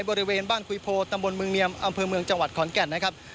บริเวณบ้านคุยโพตำบลเมืองเนียมอำเภอเมืองจังหวัดขอนแก่นนะครับ